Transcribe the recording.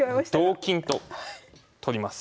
同金と取ります。